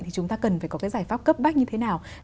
thì chúng ta cần phải có cái giải pháp cấp bách như thế nào